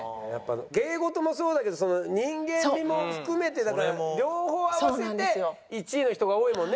芸事もそうだけど人間味も含めてだから両方合わせて１位の人が多いもんね。